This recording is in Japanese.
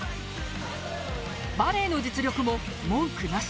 バレーの実力も文句なし。